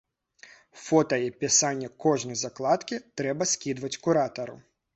Фота і апісанне кожнай закладкі трэба скідваць куратару.